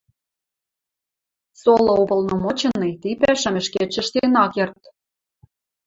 Сола уполномоченный ти пӓшам ӹшкетшӹ ӹштен ак керд.